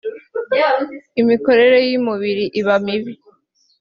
imikorere y’umubiri iba mibi